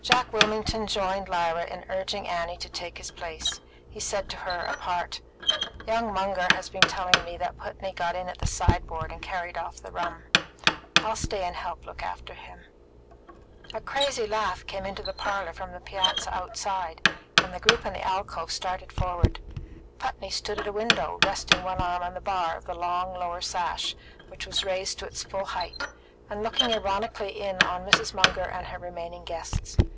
Jack Wilmington joined Lyra in urging Annie to take his place. He said to her, apart, "Young Munger has been telling me that Putney got at the sideboard and carried off the rum. I'll stay and help look after him." A crazy laugh came into the parlour from the piazza outside, and the group in the alcove started forward. Putney stood at a window, resting one arm on the bar of the long lower sash, which was raised to its full height, and looking ironically in upon Mrs. Munger and her remaining guests.